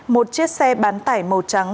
một chiếc xe bán tải màu trắng